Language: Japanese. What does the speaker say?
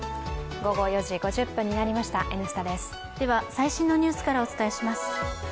最新のニュースからお伝えします。